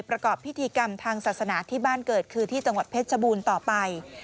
ประกอบพิธีกรรมทางศาสนาที่บ้านเกิดคือที่จังหวัดเพชรชบูรณ์ต่อไป